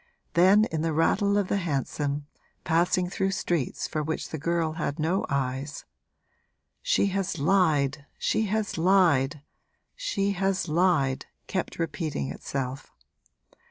Then, in the rattle of the hansom, passing through streets for which the girl had no eyes, 'She has lied, she has lied, she has lied!' kept repeating itself.